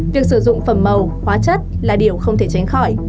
việc sử dụng phẩm màu hóa chất là điều không thể tránh khỏi